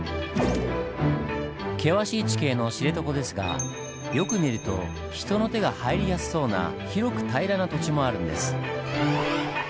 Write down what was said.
険しい地形の知床ですがよく見ると人の手が入りやすそうな広く平らな土地もあるんです。